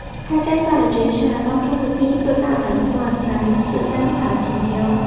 他摘下了职业生涯中的第一个大满贯男子单打锦标。